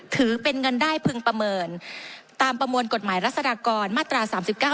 ถือเป็นเงินได้พึงประเมินตามประมวลกฎหมายรัศดากรมาตราสามสิบเก้า